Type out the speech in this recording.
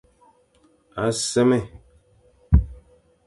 A sémé.